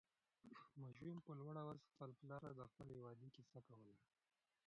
ماشوم په لوړ اواز خپل پلار ته د خپلې ودې قصه کوله.